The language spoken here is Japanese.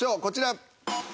こちら。